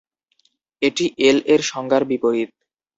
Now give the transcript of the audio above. এটি "এল" এর সংজ্ঞার বিপরীত।